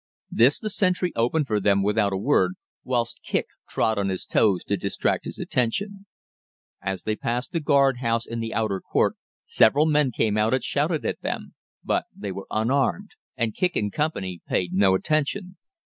This the sentry opened for them without a word, whilst Kicq trod on his toes to distract his attention. As they passed the guardhouse in the outer court several men came out and shouted at them, but they were unarmed, and Kicq & Co. paid no attention.